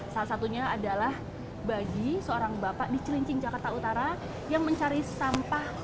salah satunya adalah bagi seorang bapak di cilincing jakarta utara yang mencari sampah